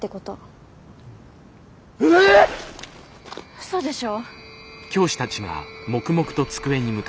ウソでしょ。